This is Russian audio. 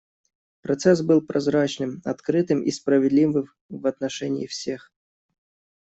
Процесс был прозрачным, открытым и справедливым в отношении всех.